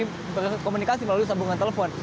irman tapi berkomunikasi melalui sambungan telepon